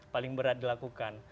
paling berat dilakukan